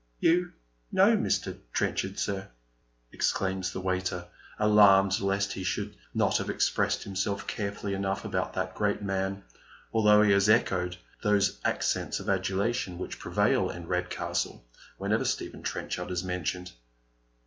" You know Mr. Trenchard, sir ?" exclaims the waiter, alarmed lest he should not have expressed himself carefully enough about that great man, although he has echoed those accents of adula tion which prevail in Eedcastle whenever Stephen Trenchard is mentioned.